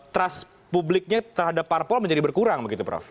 trust publiknya terhadap parpol menjadi berkurang begitu prof